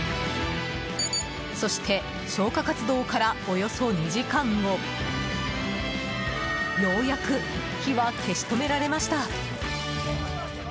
そして消火活動からおよそ２時間後ようやく火は消し止められました。